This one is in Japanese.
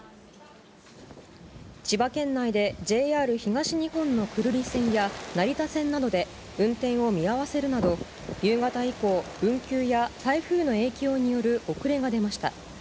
千葉県内でＪＲ東日本の久留里線や成田線などで、運転を見合わせるなど、夕方以降、運休や台風の影響による遅れが出ました。